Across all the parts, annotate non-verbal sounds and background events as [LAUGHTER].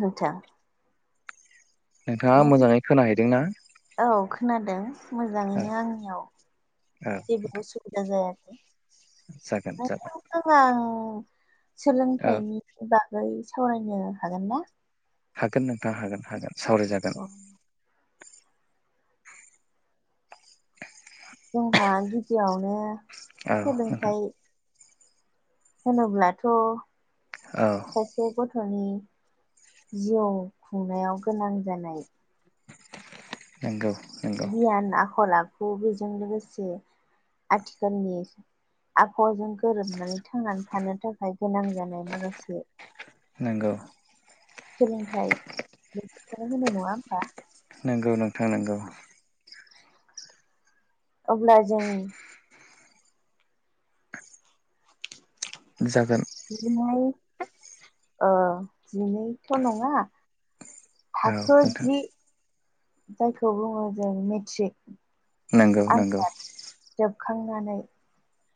मिथियां नोंथाङा मोजाङै खोनाहैदों ना औ खोनादों मोजाङैनो आंनियाव औ जेबो उसुबिदा जायाखै जागोन जागोन गोबां औ सोलोंथाइनि बागै सावरायनो हागोन ना हागोन नोंथाङा हागोन हागोन सावरायजागोन जोंहा गिबियावनो औ नोंथां सोलोंथाइ होनोब्लाथ' औ सासे गथ'नि जिउ खुंनायाव गोनां जानाय नंगौ नंगौ गियान आखल आ खु बेजों लोगोसे आथिखालनि आबहावाजों गोरोबनानै थांनानै थानो थाखाय गोनां जानाय माखासे नंगौ सोलोंथाइ बेफोरखौनो होनो नङा होमबा नोंगौ नोंथां नंगौ अब्ला जों जागोन जिनै ओ जिनैथ' नङा औ थाखो नोंथां जि जायखौ बुङो जों मेट्रिक नंगौ नंगौ आनजाद जोबखांनानै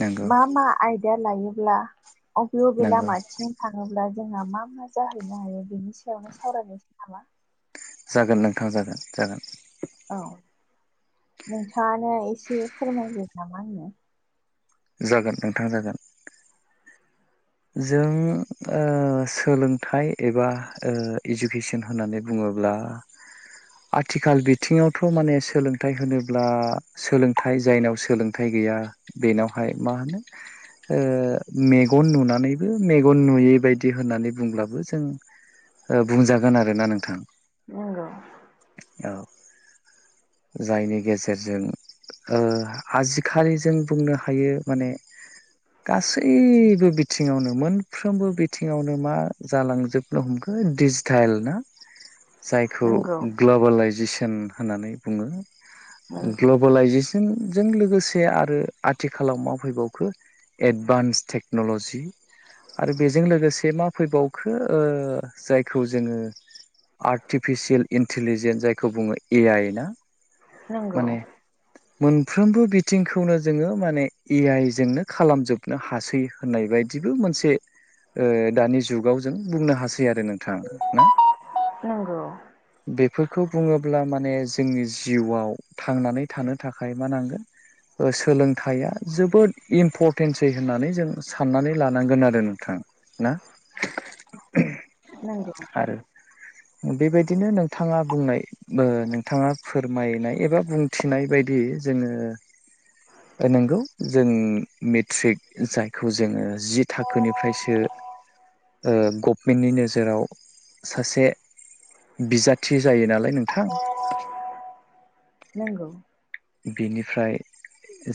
नंगौ मा मा आयदा लायोब्ला आरो बबे नंगौ लामाथिं थाङोब्ला जोंहा मा मा जाहैनो हायो बेनि सायावनो सावरायनोसै नामा जागोन नोंथां जागोन जागोन औ नोंथाङानो एसे फोरमायदो ना माहोनो जागोन नोंथां जागोन जों ओ सोलोंथाइ एबा ओ इडुकेसन होननानै बुङोब्ला आथिखाल बिथिङावथ' माने सोलोंथाइ होनोब्ला सोलोंथाइ जायनाव सोलों थाइ गैया बेनावहाय मा होनो ओ मेगन नुनानै नैबो मेगन नुयै बायदि होननानै बुंब्लाबो जों ओ बुंजागोन आरो ना नोंथां नंगौ औ जायनि गेजेरजों ओ आजिखालि जों बुंनो हायो माने गासैबो बि थिङावनो मोनफ्रोमबो बिथिङावनो मा जालांजोबनो हमखो डिजिटेल ना [INAUDIBLE] जायखौ नंगौ ग्लबेलाायजेसन होननानै बुङो। नंगौ ग्लबेलाइजेसनजों लोगोसे आरो आथिखालाव मा फैबावखो एडभान्स टेक्न'ल'जि आरो बेजों लोगोसे मा फैबावखो जायखौ जोङो आर्टिफिसियेल इन्टिलिजेन्स जायखौ बुङो ए आइ ना नंगौ माने मोनफ्रोमबो बिथिंखौनो जोङो माने ए आइ जोंनो खालामजोबनो हासै होननाय बायदि बिबो मोनसे ओ दानि जुगाव जों बुंनो हासै आरो नोंथां ना नोंगौ बेफोरखौ बुङोब्ला माने जोंनि जिउआव थांनानै थानो थाखाय मा नांगोन सोलोंथाइया जोबोद इम्परटेन्सै होननानै जों साननानै लानांगोन आरो नोंथां ना औ नंगौ आरो बेबायदिनो नोंथाङा बुंनाय नोंथाङा फोरमायनाय एबा बुंथिनाय बायदि जोङो नंगौ जों मेट्रिक जायखौ जोङो जि थाखोनिफ्रायसो ओ गभमेन्टनि नोजोराव सासे बिजाथि जायो नालाय नोंथां नंगौ बेनिफ्राय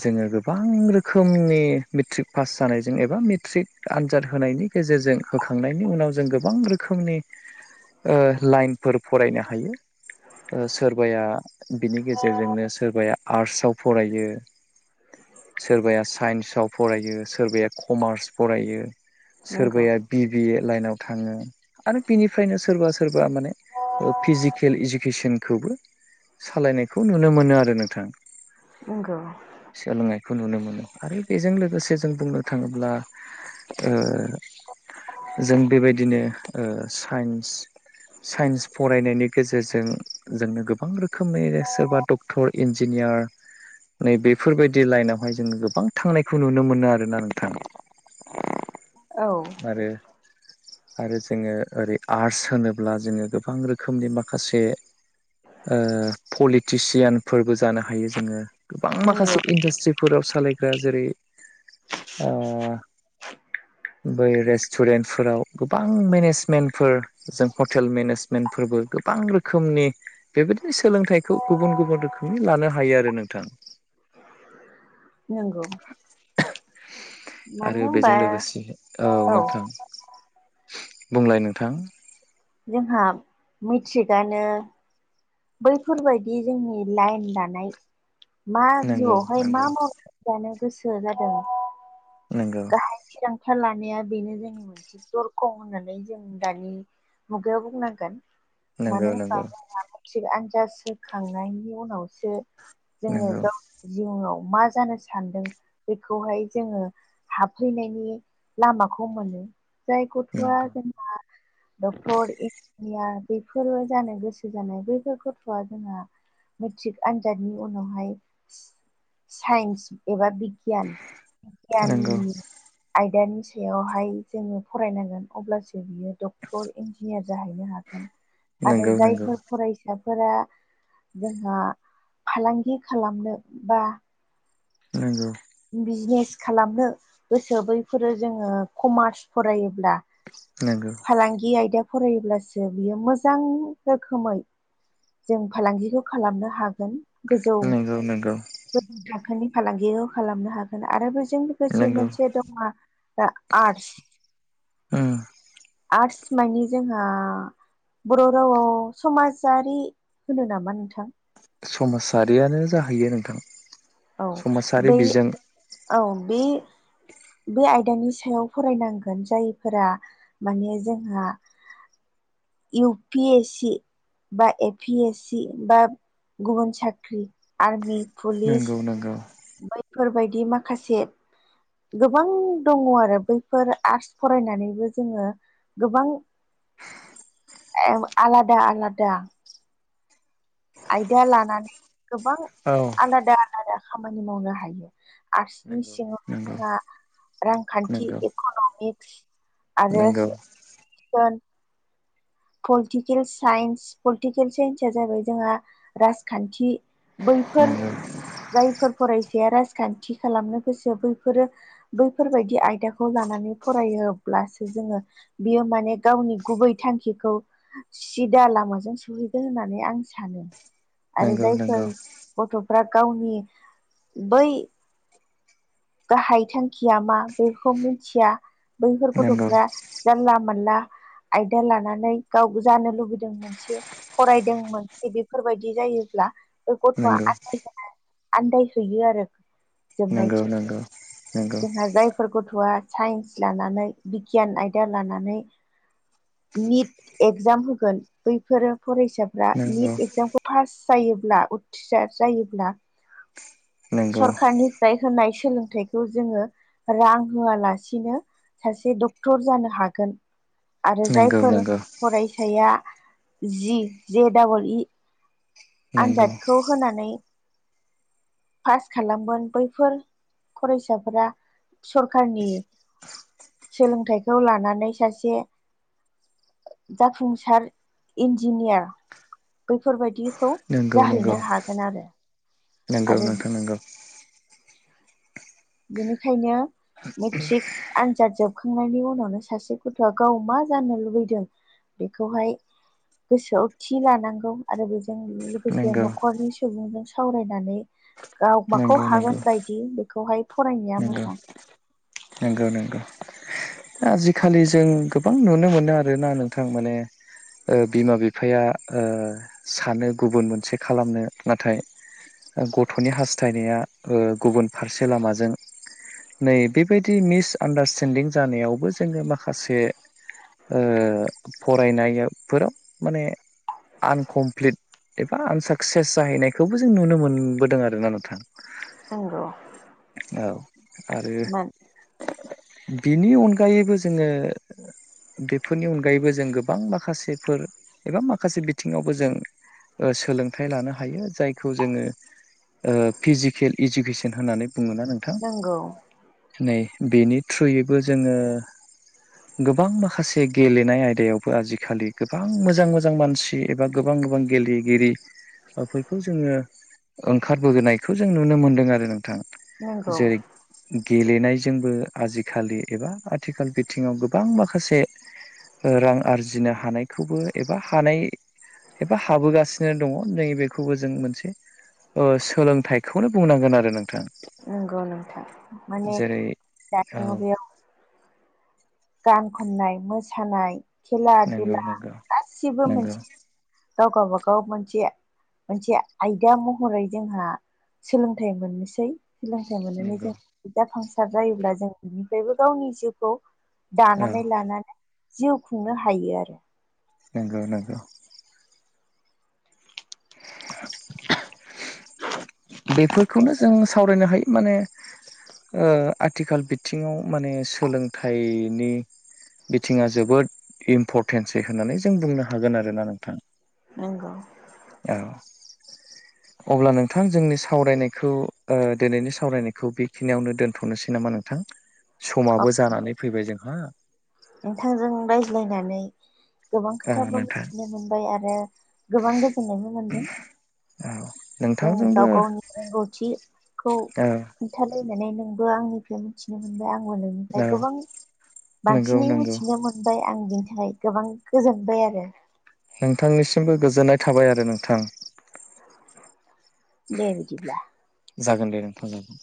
जोङो गोबां रोखोमनि मेट्रिक पास जानायजों एबा मेट्रिक आनजाद होनायनि गेजेरजों होखांनायनि उनाव जों गोबां रोखोमनि ओ लाइनफोर फरायनो हायो सोरबाया बिनि गेजेरजोंनो सोरबाया आर्टसआव फरायो सोरबाया साइन्सआव फरायो सोरबाया कमार्स फरायो नंगौ नंगौ सोरबाया बि बिए लाइनाव थाङो आरो बिनिफ्रायनो सोरबा सोरबा माने फिजिकेल इडुकेसनखौबो सालायनायखौ नुनो मोनो आरो नोंथां नंगौ सोलोंनायखौ नुनो मोनो आरो बेजों लोगोसे जों बुंनो थाङोब्ला ओ जों बेबायदिनो ओ साइन्स साइन्स फरायनायनि गेजेरजों जोंनो गोबां रोखोमनि सोरबा डक्टर इन्जिनियार नै बेफोरबायदि लाइनावहाय जोङो गोबां थांनायखौ नुनो मोनो आरो ना नोंथां औ आरो आरो जोङो ओरै आर्ट्स होनोब्ला जोङो गोबां रोखोमनि माखासे ओ पलिटिसियानफोरबो जानो हायो जोङो गोबां नंगौ माखासे इन्डास्ट्रि फोर सालायग्रा जेरै ओ बै रेस्टुरेन्टफोराव गोबां मेनेजमेन्टफोर जों हटेल मेनेजमेन्टफोरबो गोबां रोखोमनि बेबायदिनो सोलोंथाइखौ गुबुन गुबुन रोखोम नो लानो हायो आरो नोंथां नंगौ मानो आरो बेजों होनबा लोगोसे औ नोंथां बुंलाय नोंथां जोंहा मेट्रिकआनो बैफोरबायदि जोंनि लाइन लानाय मा नंगौ जिउआवहाय मा नंगौ मावो जानो गोसो जादों नोंगौ आ थिरांथा लानाया बेनो जोंनि मोन से दरखं होननानै जों दानि मुगायाव बुंनांगोन मानो होनबा नंगौ नंगौ जोंहा थिग आनजाद होखांनायनि उनावसो जोङो नंगौ गाव जिउआव मा जानो सानदों बेखौहाय जोङो हाबफैनायनि लामाखौ मोनो जाय गथ'आ नंगौ जेनेबा डक्टर इन्जिनियार बेफोरबो जानो गोसो जानाय बैफोर गथ'आ जोंहा मेट्रिक आनजादनि उनावहाय साइन्स एबा बिगियान बिगान नंगौ आयदानि सायावहाय जोङो फरायनांगोन अब्लासो बियो डक्टर इन्जिनियार जाहैनो हागोन आरो नंगौ नंगौ जायफोर फरायसाफोरा जोंहा फालांगि खालामनो बा नगौ बिजनेस खालामनो गोसो बैफोरो जोङो कमार्स फरायोब्ला नंगौ फालांगि आयदा फरायोब्लासो बियो मोजां रोखोमै जों फालांगिखौ खालामनो हागोन गोजौ नंगौ नंगौ गोजौ थाखोनि फालांगिखौ खालामनो हागोन आरो बेजों लोगोसे नंगौ मोनसे दङ आर्टस उम आर्ट्स माने जोंहा बर' रावआव समाजारि होनो नामा नोंथां समाजारियानो जाहैयो नोंथां औ समाजारि बै बिजों औ बे बे आयदानि सायाव फरायनांगोन जायफोरा माने जोंहा इउ पि एस सि बा ए पि एस सि बा गुबुन साख्रि आर्मि पुलिस नंगौ नंगौ बैफोरबायदि माखासे गोबां दङ आरो बैफोर आर्ट्स फरायनानैबो जोङो गोबां आलादा आलादा आयदा लानानै गोबां औ आलादा आलादा खामानि मावनो हायो आर्टसनि नंगौ सिङाव नंगौ जोंहा रांखान्थि नंगौ इकनमिक्स आरो नंगौ [UNINTELLIGIBLE] पलिटिकेल साइन्स पलिटिकेल साइन्सआ जाबाय जोंहा राजखान्थि बैफोर जायफोर फरायसाया राजखानथि खालामनो गोसो बैफोरो बैफोरबायदि आयदाखौ लानानै फरायोब्लासो जोङो बियो माने गावनि गुबै थांखिखौ खौ सिदा लामाजों सहैगोन होननानै आं सानो आरो नंगौ नंगौ जायफोर गथ'फ्रा गावनि बै गाहाय थांखिया मा बेखौ मिथिया बैफोर नंगौ गथ'फ्रा जानला मानला आयदा लानानै गाव जानो लुगैदों फरायदों मोन बेफोरबायदि जायोब्ला बे गथ'आ नंगौ आनदाय हैयो आरो जोबनायथि नंगौ नंगौ नंगौ जोंहा जायफोर गथ'आ साइन्स लानानै बिगियान आयदा लानानै निट एगजाम होगोन बैफोरो फरायसा फ्रा निट एक्जामखौ पास जायोब्ला उथ्रिसार जायोब्ला नंगौ नंगौ सरखारनिफ्राय होनाय सोलों थाइखौ जोङो रां होआलासिनो सासे डक्टर जानो हागोन आरो नंगौ नंगौ जायफोर फरायसाया जि जे डाबल इ आनजादखौ होनानै पास खालामगोन बैफोर फरायसाफोरा सरखारारनि सोलोंथाइखौ लानानै सासे जाफुंसार इन्जिनियार बैफोरबायदि खौ जाहैनो हागोन आरो नोंगौ आरो नोंथां नोंगौ बेनिखायनो मेट्रिक आनजाद जोबखांनायनि उनावनो सासे गथ'आ गाव मा जानो लुबैदों बेखौहाय गोसोआव थि लानांगौ आरो बेजों लोगोसे न'खरनि सुबुंजों सावरायनानै गाव माखौ हागोन बाय दि बेखौहाय फरायनाया नोंगौ मोजां नोंगौ नोंगौ आजिखालि जों गोबां नुनो मोनो आरोना नोंथां माने ओ बिमा बिफाया सानो गुबुन मोनसे खालामनो नाथाय गथ'नि हास्थायनाया ओ गुबुन फारसे लामाजों नै बेबायदि मिसआन्डारस्टेन्दिं जानायावबो जोङो माखासे फरायनायाफोराव माने आनकमप्लिट एबा आनसाकसेस जाहैनायखौबो जों नुनो मोनबोदों आरोना नोंथां नंगौ औ आरो मोन बिनि अनगायैबो जोङो बेफोरनि अनगायैबो जों गोबां माखासेफोर एबा माखासे बिथिङावबो जों सोलोंथाइ लानो हायो जायखौ जोङो फिजिकेल इडुकेसन होननानै बुङोना नोंथां नंगौ नै बेनि थ्रुयैबो जोङो गोबां माखासे गेलेनाय आयदायावबो आजिखालि गोबां मोजां मोजां मानसि एबा गोबां गोबां गेलेगिरिफोरखौ जोङो ओंखारबोनायखौ जों नुनो मोनदों आरो नोंथां नंगौ जेरै गेलेनायजोंबो आजिखालि एबा आथिखाल बिथिङाव गोबां माखासे रां आरजिनो हानायखौबो एबा हानाय एबा हाबोगासिनो दङ नै बेखौबो जों मोनसे ओ सोलोंथाइखौनो बुंनांगोन आरो नोंथां नंगौ नोंथां माने जेरै औ दानि मुगायाव गान खननाय मोसानाय खेला नंगौ दुला नंगौ गासिबो नंगौ मोनसे गाव गावबागाव मोनसे मोनसे आयदा महरै जोंहा सोलोंथाइ मोननोसै सोलोंथाइ मोननानै जों जाफुंसार जायोब्ला जों बिनिफ्रायबो गावनि जिउखौ औ दानानै लानानै जिउ खुंनो हायो आरो नोंगौ नोंगौ [UNINTELLIGIBLE] बेफोरखौनो जों सावरायनो हायो माने आथिखाल बिथिङाव माने सोलोंथाइनि बिथिङा जोबोद इम्परटेन्सै होननानै जों बुंनो हागोन आरोना नोंथां नंगौ औ अब्ला नोंथां जोंनि सावरायनायखौ दिनैनि सावरायनायखौ बेखिनियावनो दोनथ'नोसै नामा नोंथां समाबो जानानै फैबाय जोंहा नोंथांजों रायज्लायनानै गोबां ओ खोथाबो नोंथां मिथिनो मोनबाय आरो गोबां गोजोननायबो मोनदों औ जों नोंथांजोंबो गाव गावनि रोंगौथिखौ औ खोन्थालायनानै नोंबो आंनिफ्राय मिथिनो मोनबाय आंबो नोंनिफ्राय औ गोबां नंगौ बांसिनै नंगौ मिथिनो मोन बाय आं बिनि थाखाय गोबां गोजोनबाय आरो नोंथांनिसिमबो गोजोननाय थाबाय आरो नोंथां दे बिदिब्ला जागोन दे नोंथां जागोन